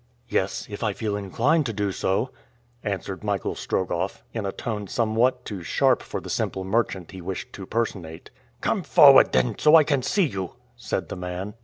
"Yes, if I feel inclined to do so," answered Michael Strogoff, in a tone somewhat too sharp for the simple merchant he wished to personate. "Come forward, then, so I can see you," said the man.